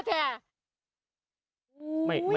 ดีเอาก็ดีแท้